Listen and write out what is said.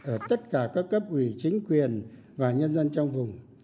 ở tất cả các cấp ủy chính quyền và nhân dân trong vùng